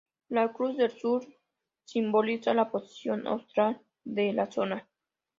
La Cruz del Sur simboliza la posición austral de la zona.